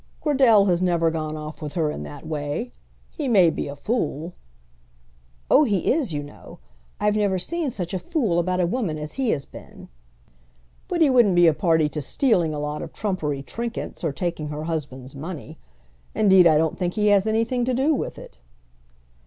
"Cradell has never gone off with her in that way. He may be a fool " "Oh, he is, you know. I've never seen such a fool about a woman as he has been." "But he wouldn't be a party to stealing a lot of trumpery trinkets, or taking her husband's money. Indeed, I don't think he has anything to do with it."